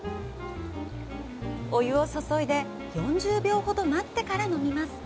お湯を注いで４０秒ほど待ってから飲みます。